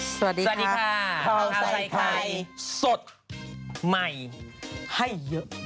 สวัสดีค่ะข้าวใส่ไข่สดใหม่ให้เยอะ